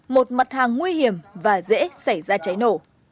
một mặt hàng nguy hiểm và dễ xảy ra cháy nổ